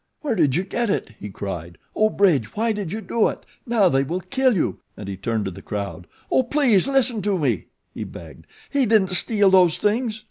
"Where did you get it?" he cried. "Oh, Bridge, why did you do it? Now they will kill you," and he turned to the crowd. "Oh, please listen to me," he begged. "He didn't steal those things.